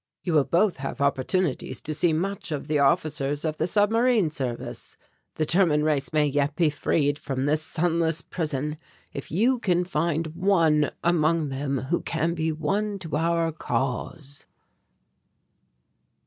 You will both have opportunities to see much of the officers of the Submarine Service. The German race may yet be freed from this sunless prison, if you can find one among them who can be won to our cause."